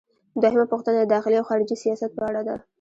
دوهمه پوښتنه د داخلي او خارجي سیاست په اړه ده.